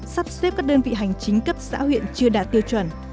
sắp xếp các đơn vị hành chính cấp xã huyện chưa đạt tiêu chuẩn